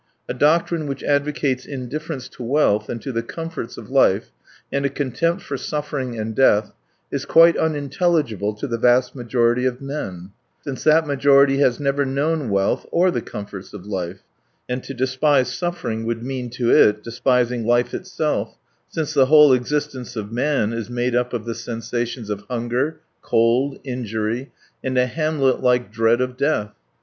A doctrine which advocates indifference to wealth and to the comforts of life, and a contempt for suffering and death, is quite unintelligible to the vast majority of men, since that majority has never known wealth or the comforts of life; and to despise suffering would mean to it despising life itself, since the whole existence of man is made up of the sensations of hunger, cold, injury, and a Hamlet like dread of death.